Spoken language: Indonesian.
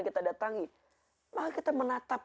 kita datangi maka kita menatap